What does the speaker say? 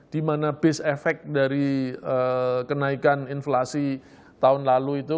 di mana based efek dari kenaikan inflasi tahun lalu itu